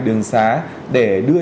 đường xá để đưa